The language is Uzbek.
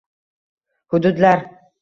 Hududlar